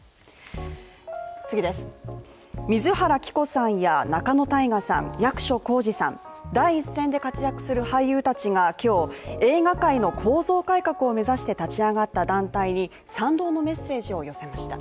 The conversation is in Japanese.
水原希子さんや仲野太賀さん、役所広司さん、第一線で活躍する俳優たちが今日映画界の構造改革を目指して立ち上がった団体に賛同のメッセージを寄せました。